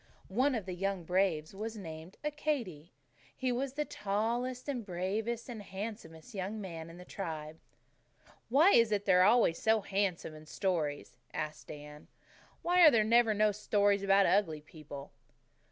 One of the young braves was named Accadee. He was the tallest and bravest and handsomest young man in the tribe " "Why is it they're always so handsome in stories?" asked Dan. "Why are there never no stories about ugly people?"